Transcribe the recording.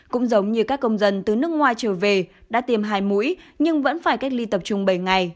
cũng giống như các công dân từ nước ngoài trở về đã tiêm hai mũi nhưng vẫn phải cách ly tập trung bảy ngày